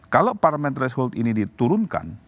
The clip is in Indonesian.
kalau parliamentar threshold ini diturunkan